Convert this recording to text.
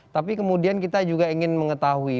tapi kemudian kita juga ingin mengetahui